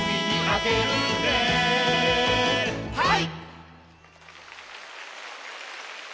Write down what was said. はい！